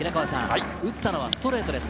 打ったのはストレートです。